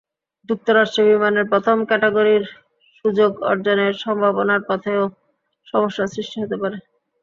যুক্তরাষ্ট্রে বিমানের প্রথম ক্যাটাগরির সুযোগ অর্জনের সম্ভাবনার পথেও সমস্যা সৃষ্টি হতে পারে।